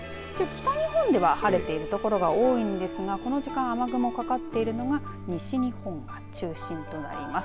北日本では晴れている所が多いんですがこの時間は雨雲かかっているのは西日本が中心となります。